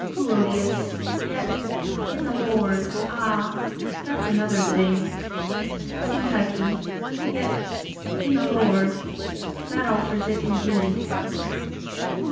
EUODIAS. Yet, "in the Lord." Ah, that's another thing! SYNTYCHE. Yet, "in the Lord." That alters it in deed.